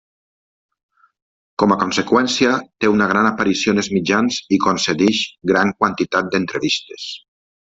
Com a conseqüència té una gran aparició en els mitjans i concedeix gran quantitat d'entrevistes.